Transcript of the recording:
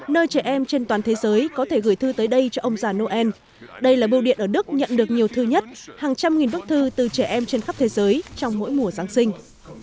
nơi trẻ em trên toàn thế giới có thể gửi thư tới đây cho ông già noel đây là bưu điện ở đức nhận được nhiều thư nhất hàng trăm nghìn bức thư từ trẻ em trên khắp thế giới trong mỗi mùa giáng sinh